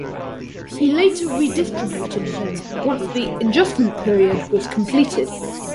He later redistributed them once the adjustment period was completed.